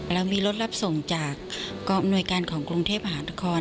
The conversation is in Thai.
เรามีรถรับส่งจากกองอำนวยการของกรุงเทพมหานคร